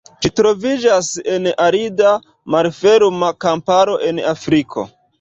Ĝi troviĝas en arida, malferma kamparo en Afriko.